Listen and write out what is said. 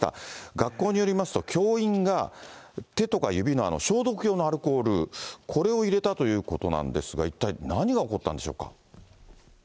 学校によりますと、教員が、手とか指の消毒用のアルコール、これを入れたということなんですが、一体何が起こったんでしょうか。